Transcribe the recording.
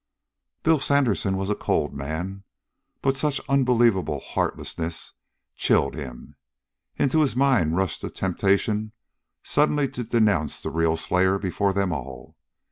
Bill Sandersen was a cold man, but such unbelievable heartlessness chilled him. Into his mind rushed a temptation suddenly to denounce the real slayer before them all.